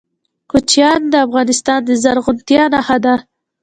کوچیان د افغانستان د زرغونتیا نښه ده.